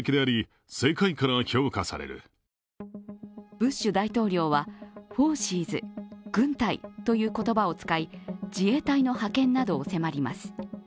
ブッシュ大統領はＦＯＲＣＥＳ＝軍隊という言葉を使い、自衛隊の派遣などを迫ります。